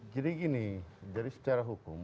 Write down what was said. jadi gini dari secara hukum